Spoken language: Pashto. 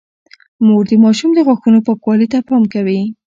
مور د ماشوم د غاښونو پاکوالي ته پام کوي۔